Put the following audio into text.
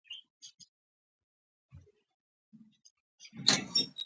باد تل روان وي